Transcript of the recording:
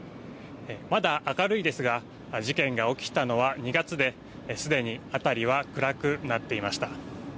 まだ明るいですが事件が起きたのは２月で、すでに辺りは暗くなっていました。